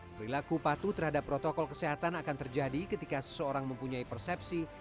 perilaku patuh terhadap protokol kesehatan akan terjadi ketika seseorang mempunyai persepsi